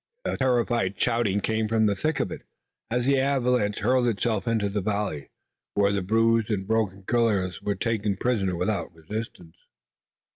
A terrified shouting came from the thick of it, as the avalanche hurled itself into the valley, where the bruised and broken guerrillas were taken prisoners without resistance.